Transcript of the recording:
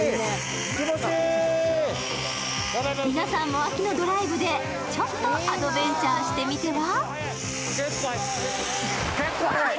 皆さんも秋のドライブでちょっとアドベンチャーしてみては？